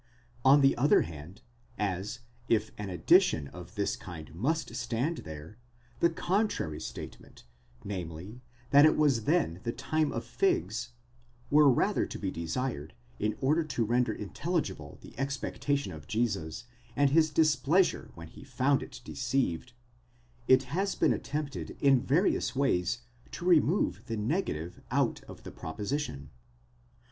6 On the other hand, as, if an addition of this kind must stand there, the contrary statement, namely, that it was then the time of figs, were rather to be desired, in order to render intelligible the expectation of Jesus, and his displeasure when he found it deceived ; it has been attempted in various ways to remove the negative out of the proposition.